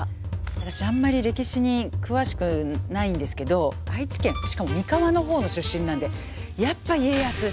私あんまり歴史に詳しくないんですけど愛知県しかも三河の方の出身なんでやっぱり家康松潤！